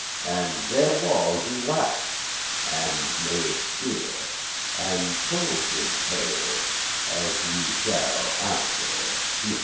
<3> *assuredly And therewithal he laugh'd and made cheer,<4> And told his tale, as ye shall after hear.